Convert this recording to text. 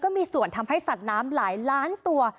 มีส่วนทำให้สัตว์น้ำหลายล้านตัว